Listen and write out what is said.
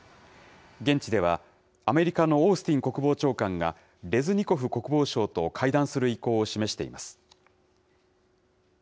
現地では、アメリカのオースティン国防長官が、レズニコフ国防相と会談する意向を示しています。